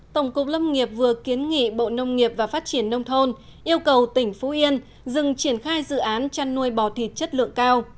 tổng cục lâm nghiệp vừa kiến nghị bộ nông nghiệp và phát triển nông thôn yêu cầu tỉnh phú yên dừng triển khai dự án chăn nuôi bò thịt chất lượng cao